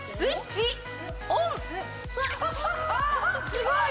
すごい。